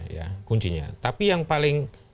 ya kuncinya tapi yang paling